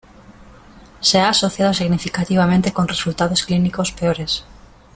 Se ha asociado significativamente con resultados clínicos peores.